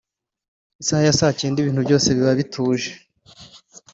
Isaha ya saa cyenda ibintu byose biba bituje